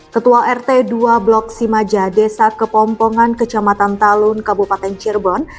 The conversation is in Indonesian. ketua rt dua blok simaja desa kepompongan kecamatan talun kabupaten cirebon